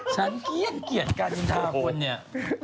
ฉันเยียดการมินทาคนเนี่ย